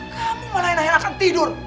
kamu malah enak enakan tidur